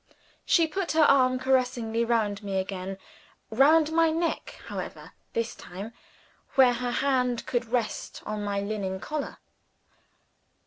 _" She put her arm caressingly round me again round my neck, however, this time, where her hand could rest on my linen collar.